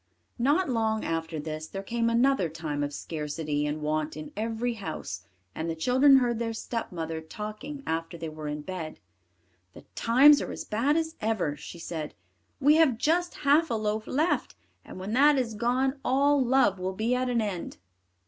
Not long after this there came another time of scarcity and want in every house, and the children heard their stepmother talking after they were in bed. "The times are as bad as ever," she said; "we have just half a loaf left, and when that is gone all love will be at an end.